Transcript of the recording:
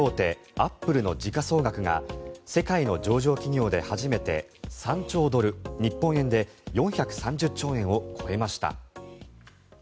アップルの時価総額が世界の上場企業で初めて３兆ドル日本円で４３０兆円を超えました。